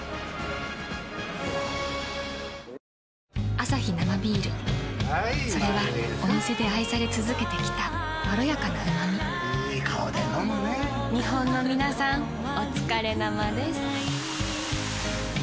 アサヒ生ビールそれはお店で愛され続けてきたいい顔で飲むね日本のみなさんおつかれ生です。